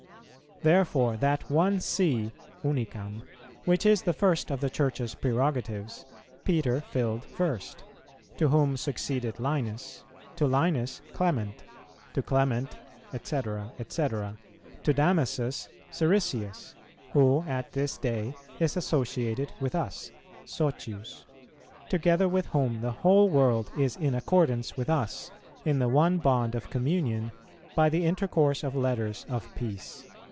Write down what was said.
Therefore that one See (unicam), which is the first of the Church's prerogatives, Peter filled first; to whom succeeded Linus; to Linus, Clement; to Clement, &c., &c. ... to Damasus, Siricius, who at this day is associated with us (socius), together with whom the whole world is in accordance with us, in the one bond of communion, by the intercourse of letters of peace."